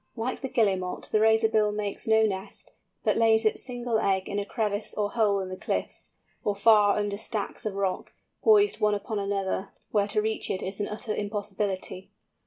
Like the Guillemot the Razorbill makes no nest, but lays its single egg in a crevice or hole in the cliffs, or far under stacks of rock, poised one upon another, where to reach it is an utter impossibility.